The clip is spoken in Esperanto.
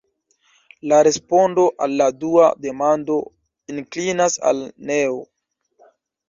La respondo al la dua demando inklinas al neo.